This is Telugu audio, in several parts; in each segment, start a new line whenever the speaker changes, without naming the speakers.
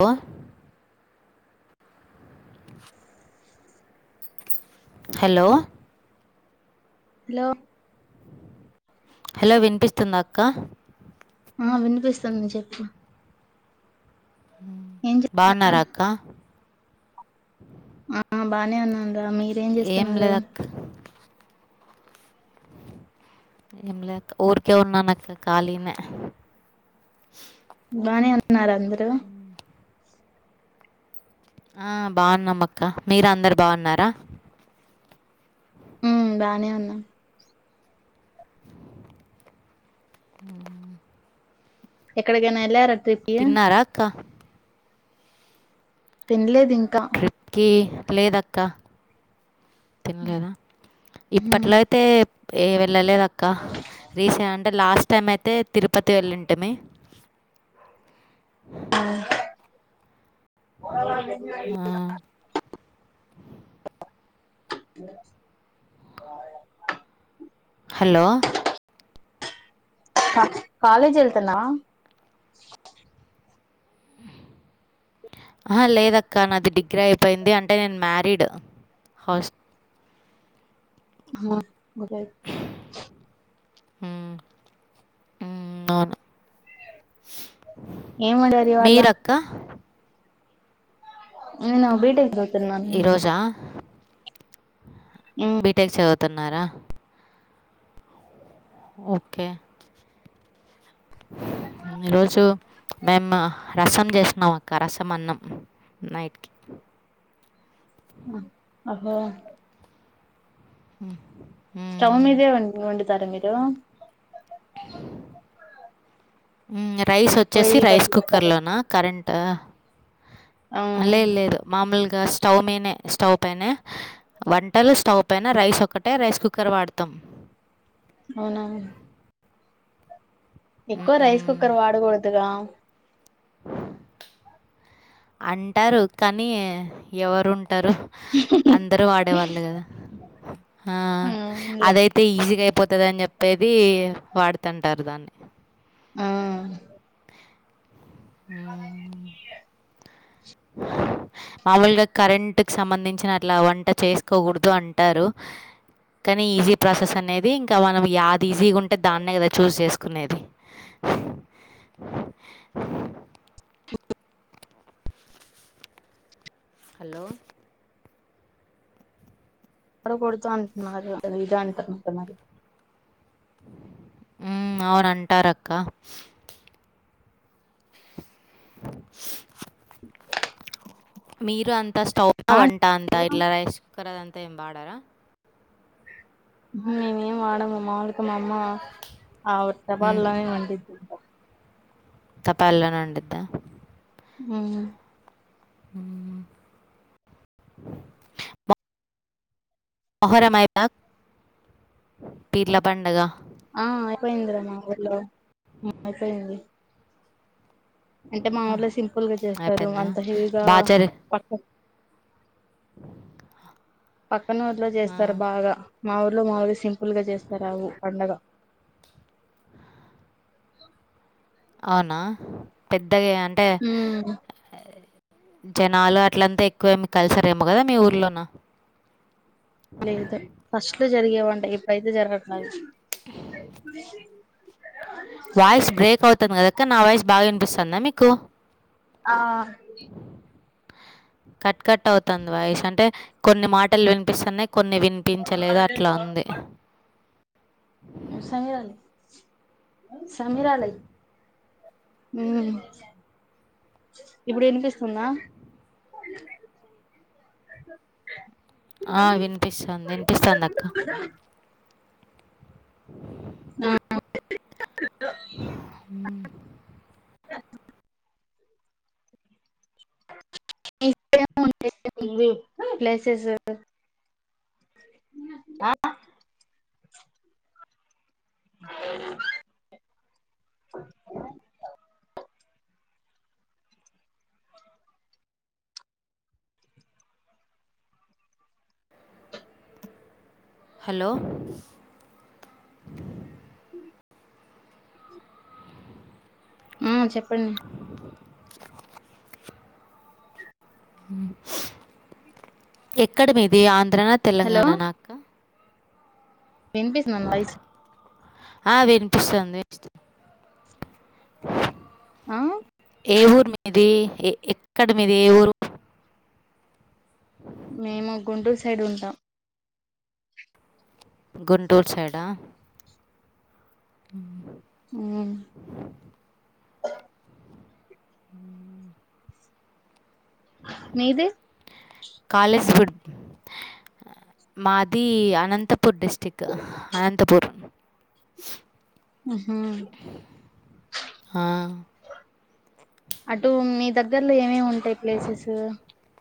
ఓ
ఆ
హెలో
హలో
హెలో విన్పిస్తుందా అక్క
ఆ వినిపిస్తుంది చెప్పు ఏం చేస్తున్నావ్
బావున్నారా అక్క
ఆ బానే ఉన్నాను రా మీరేం
ఏం
చేస్తున్నారు
లేదక్క ఎంలే అక్క ఊరికే ఉన్నాను అక్కా ఖాళీనే
బానే ఉన్నారా అందురూ
ఆ బావున్నాం అక్క మీరందరూ బావున్నారా
ఉమ్ బానే ఉన్నాం
హుమ్మ్
ఎక్కడికైనా ఎళ్ళారా ట్రి
తిన్నారా అక్క
తన్లేదు ఇంకా
కి లేదక్క
ఉమ్
ఇప్పట్లో అయితే ఏ వెళ్ళలేదక్క రీసె అంటే లాస్ట్ టైం అయితే తిరుపతి వెళ్ళింటిమి ఆ
ఆ
హలో
క కాలేజ్ ఎళ్తున్నావా
హా లేదక్క నాది డిగ్రీ అయిపోయింది అంటే నేను మ్యారీడ్ హౌస్ హూ ఊమ్ అవును
ఏం వండారు ఇవాళ
క్క
నేనా బి టెక్కు
ఈ రోజా
ఉమ్
బీ టెక్ చదువుతున్నారా ఓకే ఈరోజు మేమ్మా రసం చేసినాం అక్క రసం అన్నం నైట్ కి
ఆ అట్లే
ఉ
స్టవ్ మీదే వండు వండుతారా మీరు
రైస్ వచ్చేసి
పొయ్యిలు
రైస్
కట్టుకుంటారు
కుక్కర్లోన కరెంట్
ఆ
లేదు లేదు మామూలుగా స్టవ్ మీనే స్టవ్ పైనే వంటలు స్టవ్ పైన రైస్ ఒకటే రైస్ కుక్కర్ వాడతాం
అవునా ఎక్కువ రైస్ కుక్కర్ వాడకూడదుగా
అంటారు కానీ ఎవరు ఉంటరు అందరు వాడేవాళ్ళు కదా ఆ
అవునులే
అదైతే అతే ఈజీగా అయిపోతుందని చెప్పేది వాడుతుంటారు దాన్ని
ఉ
ఉమ్ మాముూలుగా కరెంటుకు సంబంధించిన అట్లా వంట చేసుకోకూడదు అంటారు కానీ ఈజీ ప్రాసెస్ అనేది ఇంకా మనం యాది ఈజీగా ఉంటే దాన్నే కదా చూజ్ చేసుకునేది హలో
అక్కడ కొడుత అంటున్నారు ఇది అంటారుమాంట మరి
ఉమ్ అవునంటారు అక్క మీరు అంతా స్టవ్
మరి
వంట అంతా ఇట్లా రైస్ కుక్కర్ అద అంతా ఏం వాడర
ఇ మేం ఏం వాడము వాడితే మా అమ్మ ఆ తపాలోనే వండి
తపాల్లోనే వండిద్దా
ఉమ్
హ మొహరమైద పీర్ల పండగ
ఆ అయిపోయింది రా మా ఊర్లో అయిపోయింది అంటే మాఊర్ళ సింపుల్ గా చేస్తారు
అయిపోయిందా
అంత హెవీగా
బాగా జరి
పక్క పక్కన ఊర్లో
ఆ,
జేస్తారు బాగా మా ఊర్లో మా ఊరి సింపుల్ గా చేస్తారవు పండగ
అవునా పెద్దగా ఏ
మ్
అ [unintelligible] జనాలు అట్లంతా ఎక్కువే కలిసారేమో కదా మీ ఊర్లో నా
లేదు ఫస్ట్ లో జరిగేవంట ఇప్పుయితే జరగట్లేదు
వాయిస్ బ్రేక్ అవుతుందక్కా నా వాయిస్ బాగా వినిపిస్తుందా మీకు
ఆ
కట్ కట్ అవుతుంది వాయస్ అంటే కొన్ని మాటలు వినిపిస్తున్నాయి కొన్ని విని ప్పించలేదు అట్లా ఉంది
సమీరల సమీరల మ్ ఇప్పుడు వినిపిస్తుందా
ఆ వినిపిస్తుంది వినిపిస్తుంది అక్క
ఆ [unintelligible]
తింది
ప్లేసెస్ ఉ న
ఆ?
[unintelligible]
హలో
మ్ చెప్పండి
ఎక్కడ మీది ఆంధ్రానా
హలో
తెలంగాణ న అక్క
వినిపిస్తుంద నాయిస్
ఆ వినిపిసోన్ది ఇపిస్తు
ఆ
ఏ ఊరు మీది ఎ ఎక్కడ మీది ఏ ఊరు
మేము గుంటూర్ సైడ్ ఉంటా
గుంటూర్ సైడా ఉ
మ్మ్ మీది
కాలేజ్ ఫుడ్ మాది అనంత పుర్ డిస్టిక్ అనంతపూర్
ఉ హు
ఆ,
అటు మీ దగ్గర్లో ఏమేఉంటాయి ప్లేసెస్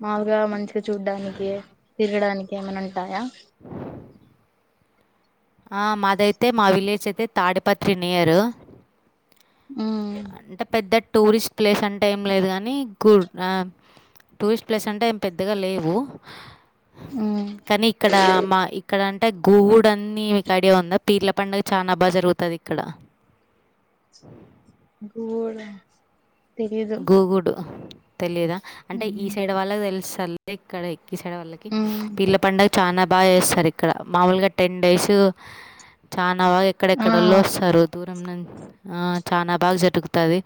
మాగా మంచిగ చూడ్డానికి తిరగడానికి ఏమైనా ఉంటాయా
ఆ మాదైతే మా విలేజ్ అయితే తాడిపత్రి నియరు
మ్మ్
అంత పెద్ద టూరిస్ట్ ప్లేస్ అంటే ఏం లేదు గానీ కుర్ ఆ టూరిస్ట్ ప్లేస్ అంటే ఏం పెద్దగా లేవు
మ్మ్
కనీ ఇక్కడ మా ఇక్కడ అంటే గూగుడు అన్ని మిక్ ఐడియ ఉందా పీర్ల పండగ చాన బాగ జరుగుతది ఇక్కడ
గోడ [inaudible]
గూగుడు తెలియదా అంటే ఈ
మ్మ్
సైడ్ వాళ్ళకి తెలుసల్ ఇక్కడ ఈ సైడ వాళ్లకి
మ్మ్
పీర్ల పండగ చాన బాచేసరీఇక్కడ మామూలుగ టెన్ డేస్ చాన బా
ఆ
ఎక్కడెక్కడోళ్ళు వస్తారు దూరం ను ఆ చానా బాగా జరుగుతాది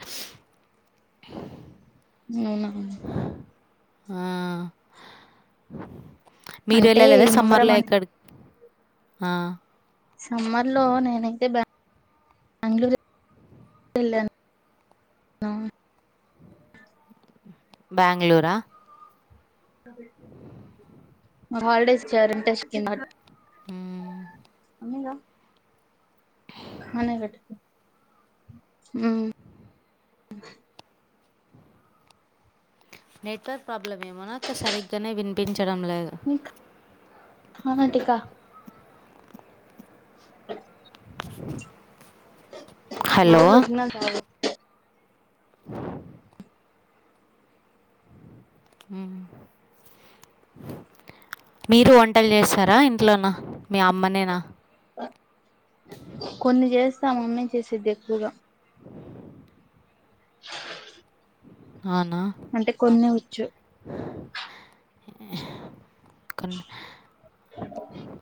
[inaudible]
అవున
ఆ మీరు
అంటే
వెళ్ళలేదా
ఈ మొహరం
సమ్మర్లో
అన్
ఎక్కడ్కి ఆ
సమ్మర్ లో నేనైతే బ బెంగళూరు వేళ్ళను
బెంగళూరా
అదే [inaudible] హాలిడేస్కియా [inaudible] రుంటెస్ కింద
మ్మ్
మీ నో హ నే గట్టుకే మ్మ్
నెట్వర్క్ ప్రాబ్లం ఏమనాక్క సరిగ్గానే వినిపించడం లేదు
నీక హఅటిక అ [inaudible]
[inaudible] హలో
మాఊర్లో వచ్చిందంట అది.
[inaudible] మ్ హు మీరు వంటలు చేస్తారా? ఇంట్లోనా మీ అమ్మనేనా
కొన్ని చేస్తా మమ్మీ చేసేద్ది ఎక్కువగా. అ [inaudible]
అవునా
అంటే కొన్నే వచ్చు అ [inaudible]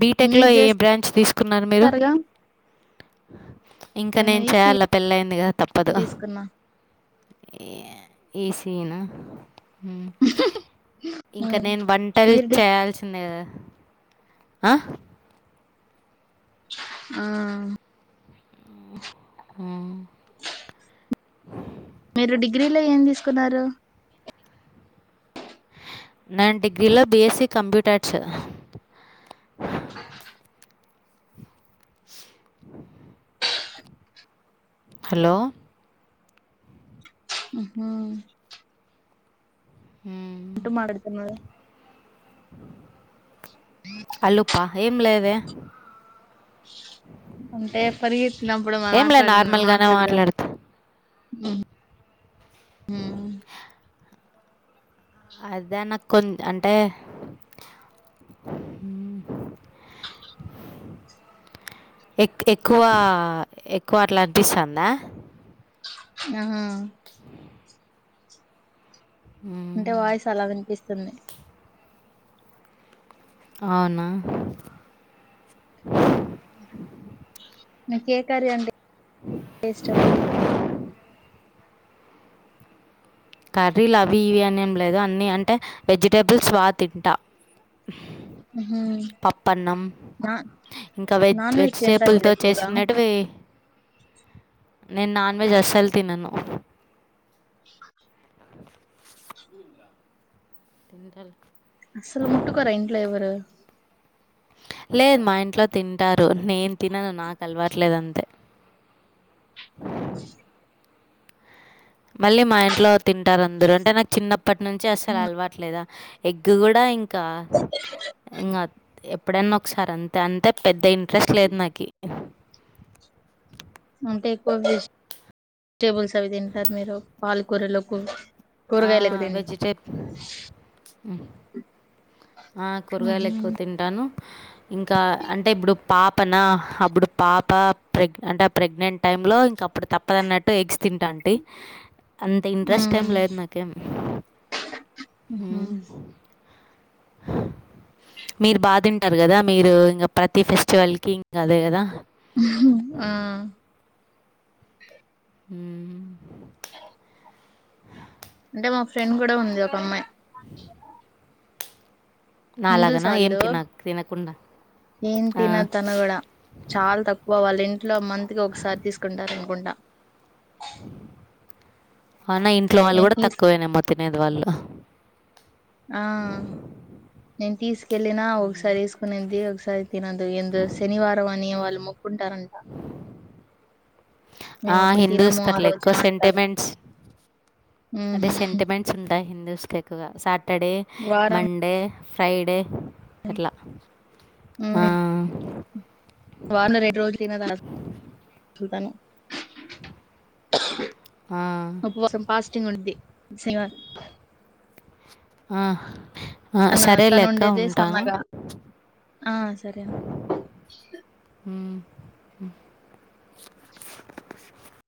బీటెక్ లో
మీరు
ఏ బ్రాంచ్ తీసుకున్నారు మీరు?
చేస్తారుగా
ఇంక నేను చేయాల పెళ్ళయిందిగా తప్పదు.
తీసుకున్నా
ఏ ఈసినా ఇంకా నేను వంటలు
మీరు డిగ్
చేయాల్సిందే కదా ఆ
ఆ
మ్
మీరు డిగ్రీలో ఏం తీసుకున్నారు?
నేను డిగ్రీలో బిఎసీ కంప్యూటర్స్
స [inaudible]
హలో
మ్ హూ
మ్
ఎందుకు మాట్లాడుతున్నాడు.
అల్లుప్ప ఏం లేదే.
అంటే పరిగెత్తినప్పుడు
ఏంలే
మాట్లాడినా
నార్మల్‌గానే
మాట్లాడదా
మాట్లాడుతా.
ఉ
అదే నాకు కొంత అంటే [inaudible] ఎక్కువ ఎక్కువ అట్లా అనిపిస్తుందా?
హా అంటే వాయిస్ అలా వినిపిస్తుంది.
అవునా
నీకు ఏ కర్రీ అంటే ఇష్టం?
కర్రీలు అవి ఇవి అని ఏమీ లేదు అన్నీ అంటే వెజిటేబుల్ బా తింటా.
ఊహూ
పప్పన్నం
నా
ఇంకా వెజ్
నాన్ తింటా
వెజిటేబుల్
మీరు
తో
ఎక్కువగా
చేసిండేటివి. నేను నాన్ వెజ్ అస్సలు తినను. సరే
అసలు ముట్టుకోరా ఇంట్లో ఎవరూ?
లేదు మా ఇంట్లో తింటారు. నేను తినను నాకు అలవట్లేదు అంతే. మళ్ళీ మా ఇంట్లో తింటారు అందరూ. అంటే నాకు చిన్నప్పటి నుంచి అసలు అలవాట్లేదు. ఎగ్ కూడా ఇంకా ఇంకా ఎప్పుడైన్నా ఒకసారి అంతే అంతే పెద్ద ఇంట్రెస్ట్ లేదు నాకి
అంటే ఎక్కువ వెజిటేబుల్స్ అవి తింటారు మీరు పాలకూరలకు కూరగాయలు ఎక్కువ తిన్
ఆ కూరగాయలు
ఉహు
ఎక్కువ తింటాను. ఇంకా అంటే ఇబ్బుడు పాపనా అబ్బుడు పాప ప్రెగ్ అంటే ప్రెగ్నెంట్ టైంలో ఇంక అప్పుడు తప్పదు అన్నట్టు ఎగ్స్ తింటాంటి అంత ఇంట్రెస్ట్ ఏం
ఉమ్
లేదు నాకేమీ
ఉహు
మీరు బా తింటారు కదా మీరు ఇంక ప్రతి ఫెస్టివల్ కి ఇంక అదే కదా!
ఆ
మ్
అంటే మా ఫ్రెండ్ కూడ ఉంది ఒక అమ్మాయి హిందూస్
నాలాగనా ఏం
వాళ్లు
తిన తినకుండా
ఏం తినదు తను కూడ. చాల తక్కువ వాళ్ళ ఇంట్లో మంత్ కి ఒకసారి తీసుకుంటారు అనుకుంటా.
అవునా ఇంట్లో వాళ్ళు
నేను
కూడా
తీస్
తక్కువేనేమో తినేది వాళ్ళు.
ఆ నేను తీసుకెళ్ళిన ఒకసారి ఏసుకునింది ఒకసారి తినదు ఏందో శనివారం అని వాళ్ళు మొక్కుంటారంట. మేము
ఆ
అప్పుడు
హిందూస్
తినము
కి
ఆ
అట్ల
రోజు
ఎక్కువ
అంటారు
సెంటిమెంట్స్. అదే
ఉమ్
సెంటిమెన్ ట్స్ ఉంటాయి హిందూస్కి ఎక్కువగా సాటర్డే,
వారం
మండే, ఫ్రైడే. అట్ల ఆ
హ్మ్ సల్తాను
ఆ,
ఉబ్బసం ఫాస్టింగ్ ఉండుద్ది శనివారం
ఆ ఆ
తన
సరేలె
తను
అక్క
ఉండేదే
ఉంటాను.
సన్నగా ఆ సరే
మ్